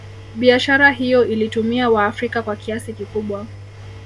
Biashara hiyo ilitumia waafrika kwa kiasi kikubwa